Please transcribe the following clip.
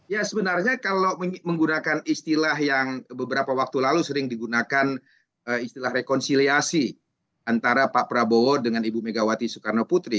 ya sebenarnya kalau menggunakan istilah yang beberapa waktu lalu sering digunakan istilah rekonsiliasi antara pak prabowo dengan ibu megawati soekarno putri